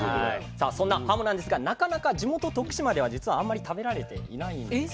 さあそんなはもなんですがなかなか地元徳島では実はあんまり食べられていないんですよ。